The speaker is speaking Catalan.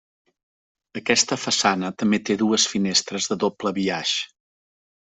Aquesta façana també té dues finestres de doble biaix.